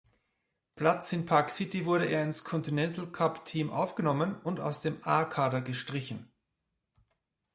Platz in Park City wurde er ins Continental-Cup-Team aufgenommen und aus dem A-Kader gestrichen.